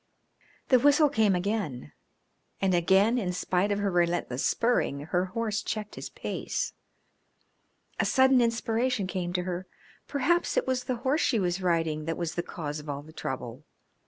The whistle came again, and again, in spite of her relentless spurring, her horse checked his pace. A sudden inspiration came to her. Perhaps it was the horse she was riding that was the cause of all the trouble.